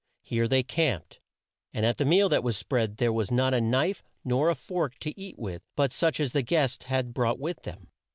Here they camped, and at the meal that was spread there was not a knife nor a fork to eat with but such as the guests had brought with them.